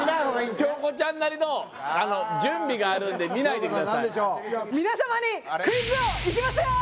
京子ちゃんなりの準備があるんで見ないでください京子さん何でしょう